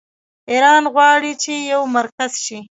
ایران غواړي چې یو مرکز شي.